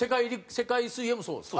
世界水泳もそうですか？